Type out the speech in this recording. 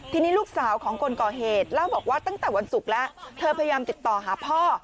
ทีนี้ลูกสาวของคนก่อเหตุเล่าบอกว่าตั้งแต่วันศุกร์แล้วเธอพยายามติดต่อหาพ่อ